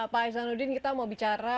pak isanuddin kita mau bicara